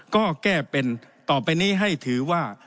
ก็แก้เป็นต่อไปนี้ให้ถือว่า